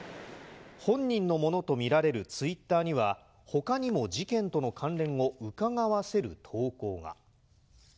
本人のものと見られるツイッターには、ほかにも事件との関連をうかがわせる投稿が。